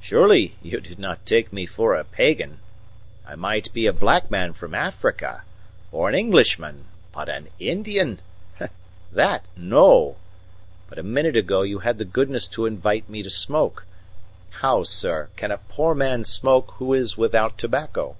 Surely you do not take me for a pagan! I might be a black man from Africa, or an Englishman, but an Indian that, no! But a minute ago you had the goodness to invite me to smoke. How, sir, can a poor man smoke who is without tobacco?"